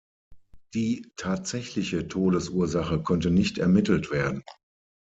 Die tatsächliche Todesursache konnte nicht ermittelt werden.